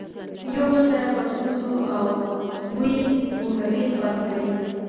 یو بل سره په پوزو او بوی پوهوي خوند کوي.